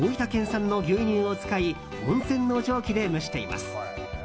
産の牛乳を使い温泉の蒸気で蒸しています。